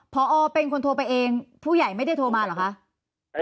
พอเป็นคนโทรไปเองผู้ใหญ่ไม่ได้โทรมาเหรอคะ